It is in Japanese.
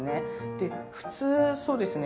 で普通そうですね